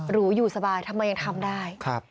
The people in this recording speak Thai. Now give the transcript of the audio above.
อยู่สบายทำไมยังทำได้